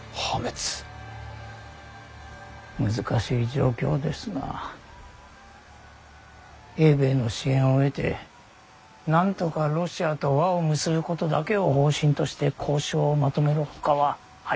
難しい状況ですが英米の支援を得てなんとかロシアと和を結ぶことだけを方針として交渉をまとめるほかはありませんな。